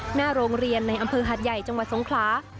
หน้าโรงเรียนในอำเภอหาดใหญ่จังหวัดสงขลา